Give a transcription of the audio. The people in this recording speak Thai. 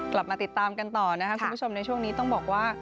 กลับมาติดตามกันต่อนะครับคุณผู้ชมในช่วงนี้ต้องบอกว่า